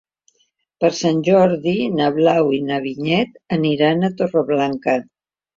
Per Sant Jordi na Blau i na Vinyet aniran a Torreblanca.